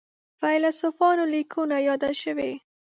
فیلسوفانو لیکنو یاده شوې.